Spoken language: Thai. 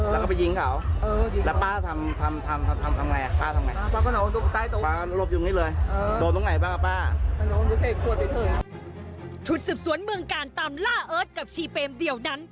ชุดสืบสวนเมืองกาลตามล่าเอิร์ทกับชีเปมเดียวนั้น